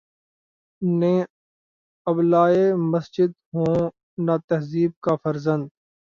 نے ابلۂ مسجد ہوں نہ تہذیب کا فرزند